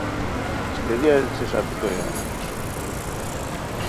اشپیرییار اچی ݰاپیک اویونی